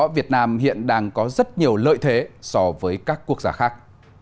việt nam hiện đang có rất nhiều lợi thế so với các quốc gia khác